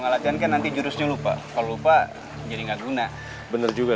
ngelakuin nanti jurusnya lupa lupa jadi nggak guna bener juga